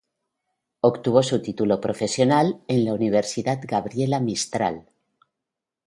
Obtuvo su título profesional en la Universidad Gabriela Mistral.